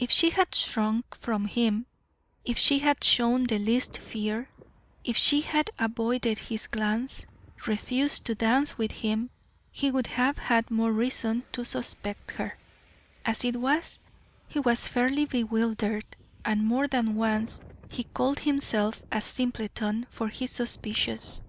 If she had shrunk from him if she had shown the least fear if she had avoided his glance, refused to dance with him, he would have had more reason to suspect her; as it was, he was fairly bewildered, and more than once he called himself a simpleton for his suspicions.